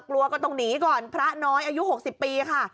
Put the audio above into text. กลัวก็ต้องหนีก่อนพระน้อยอายุหกสิบปีค่ะ